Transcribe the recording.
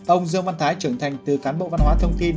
ông dương văn thái trưởng thành từ cán bộ văn hóa thông tin